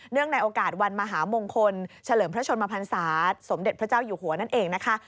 ในโอกาสวันมหามงคลเฉลิมพระชนมพันศาสมเด็จพระเจ้าอยู่หัวนั่นเองนะคะ